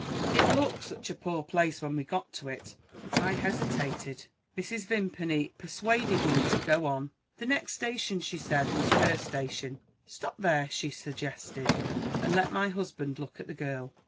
It looked such a poor place, when we got to it, that I hesitated. Mrs. Vimpany persuaded me to go on. The next station, she said, was her station. 'Stop there,' she suggested, 'and let my husband look at the girl.